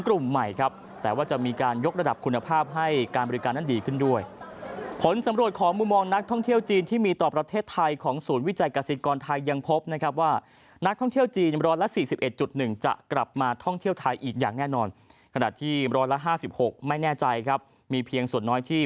ขนาดที่ร้อยละห้าสิบหกไม่แน่ใจครับมีเพียงส่วนน้อยที่